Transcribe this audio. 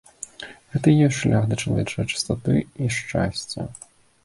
Гэта і ёсць шлях да чалавечае чыстаты і шчасця.